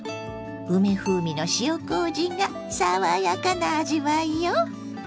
梅風味の塩こうじが爽やかな味わいよ！